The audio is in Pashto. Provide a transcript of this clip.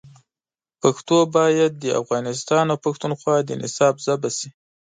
پښتو باید د افغانستان او پښتونخوا د نصاب ژبه شي.